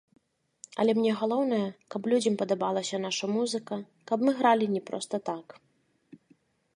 Але мне галоўнае, каб людзям падабалася наша музыка, каб мы гралі не проста так.